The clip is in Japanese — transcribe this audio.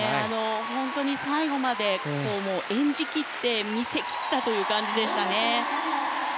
最後まで演じ切って見せ切ったという感じでしたね。